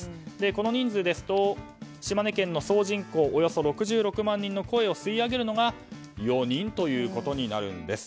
この人数ですと島根県の総人口６６万人の声を吸い上げるのが４人となるんです。